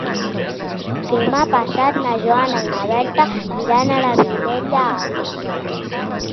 Demà passat na Joana i na Berta iran a la Vilella Alta.